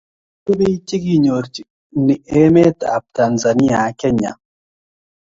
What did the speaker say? maasai ko biich chekinyorchini emeet ab kenya ak Tanzania